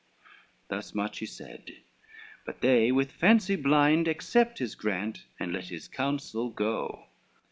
Thus much he said, but they with fancy blind, Accept his grant, and let his counsel go.